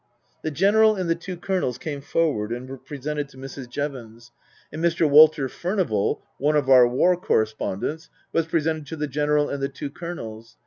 The General and the two Colonels came forward and were presented to Mrs. Jevons ; and Mr. Walter Furnival (" one of our war correspondents ") was presented to the General and the two Colonels.